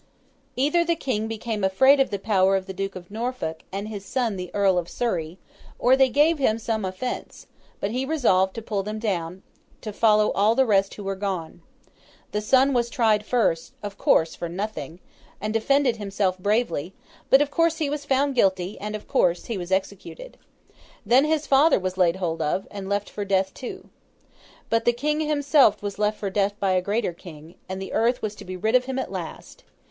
Either the King became afraid of the power of the Duke of Norfolk, and his son the Earl of Surrey, or they gave him some offence, but he resolved to pull them down, to follow all the rest who were gone. The son was tried first—of course for nothing—and defended himself bravely; but of course he was found guilty, and of course he was executed. Then his father was laid hold of, and left for death too. But the King himself was left for death by a Greater King, and the earth was to be rid of him at last.